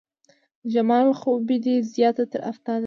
د جمال خوبي دې زياته تر افتاب ده